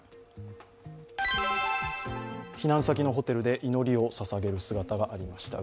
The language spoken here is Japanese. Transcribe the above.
避難先のホテルで祈りをささげる姿がありました。